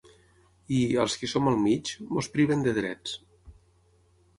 I, als qui som al mig, ens priven de drets.